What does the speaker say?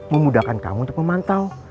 memudahkan kamu untuk memantau